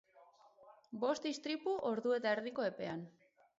Bost istripu ordu eta erdiko epean.